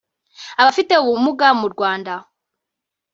Abafite ubumuga mu Rwanda